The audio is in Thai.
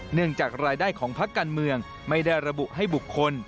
เนื่องจากรายได้ของพักการเมืองไม่ได้ระบุให้บุคคล